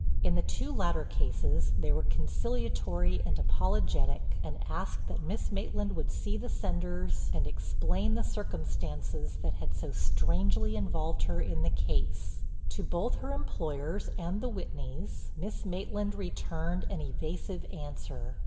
In the two latter cases they were conciliatory and apologetic and asked that Miss Maitland would see the senders and explain the circumstances that had so strangely involved her in the case. To both her employers and the Whitneys Miss Maitland returned an evasive answer.